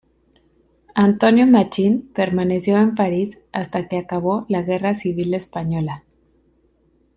Antonio Machín permaneció en París hasta que acabó la Guerra Civil Española.